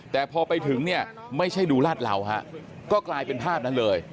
แต่พอไปถึงเนี่ยไม่ใช่ดูลาดเหลาฮะก็กลายเป็นภาพนั้นเลย